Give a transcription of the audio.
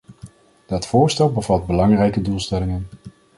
Dat voorstel bevat belangrijke doelstellingen.